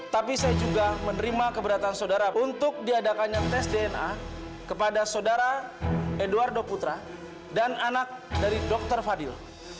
tapi saya juga menerima keberatan saudara untuk diadakannya tes dna kepada saudara edoardo putra dan anak dari dr fadil